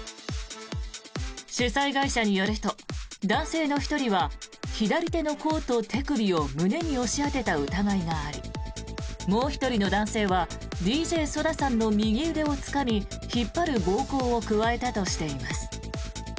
主催会社によると男性の１人は左手の甲と手首を胸に押し当てた疑いがありもう１人の男性はＤＪＳＯＤＡさんの右腕をつかみ引っ張る暴行を加えたとしています。